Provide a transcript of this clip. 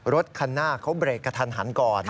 รถคันหน้าเขาเบรกกระทันหันก่อน